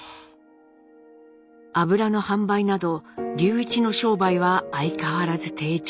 油の販売など隆一の商売は相変わらず低調。